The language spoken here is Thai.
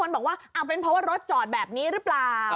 บอกว่าเป็นเพราะว่ารถจอดแบบนี้หรือเปล่า